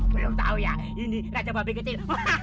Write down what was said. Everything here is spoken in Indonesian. belum tau ya ini raja babi kecil